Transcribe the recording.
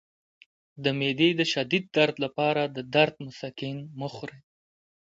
د معدې د شدید درد لپاره د درد مسکن مه خورئ